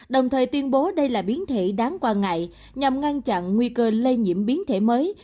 đồng thời tuyên bố đây là biến thể đáng quan ngại nhằm ngăn chặn nguy cơ lây nhiễm biến thể mới